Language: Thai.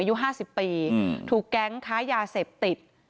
อายุ๕๐ปีถูกแก๊งค้ายาเสพติด